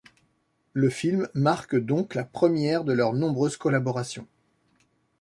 Le film marque donc la première de leurs nombreuses collaborations.